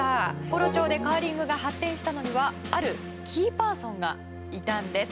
常呂町でカーリングが発展したのにはあるキーパーソンがいたんです。